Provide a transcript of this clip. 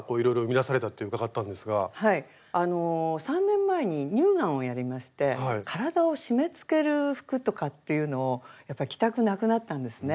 ３年前に乳がんをやりまして体を締めつける服とかっていうのをやっぱり着たくなくなったんですね。